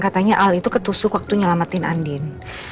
katanya al itu ketusuk waktu nyelamatin andin